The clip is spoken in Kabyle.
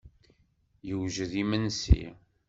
Yewjed yimensi.